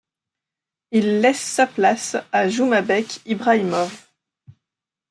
Il laisse sa place à Joumabek Ibraimov.